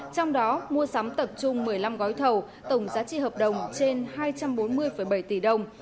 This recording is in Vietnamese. trong đó mua sắm tập trung một mươi năm gói thầu tổng giá trị hợp đồng trên hai trăm bốn mươi bảy tỷ đồng